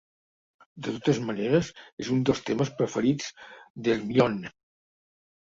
De totes maneres, és un dels temes preferits d'Hermione.